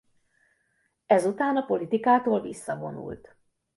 Ezután a politikától visszavonult.